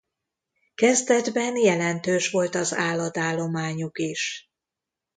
Kezdetben jelentős volt az állatállományuk is.